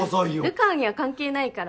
流川には関係ないから。